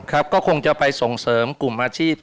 ก็คงจะไปส่งเสริมกลุ่มอาชีพ